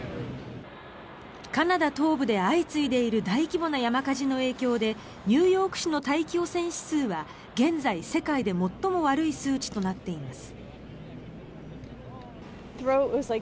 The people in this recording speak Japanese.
カナダ東部で相次いでいる大規模な山火事の影響でニューヨーク市の大気汚染指数は現在、世界で最も悪い数値となっています。